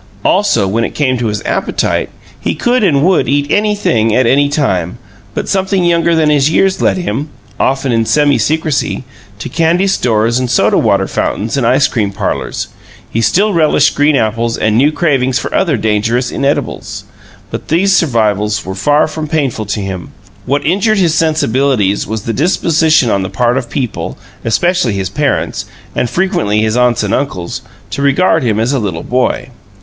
Also, when it came to his appetite, he could and would eat anything at any time, but something younger than his years led him often in semi secrecy to candy stores and soda water fountains and ice cream parlors; he still relished green apples and knew cravings for other dangerous inedibles. But these survivals were far from painful to him; what injured his sensibilities was the disposition on the part of people especially his parents, and frequently his aunts and uncles to regard him as a little boy.